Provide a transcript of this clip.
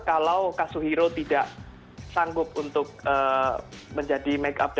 kalau kazuhiro tidak sanggup untuk menjadi